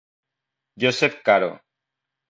Joseph Caro.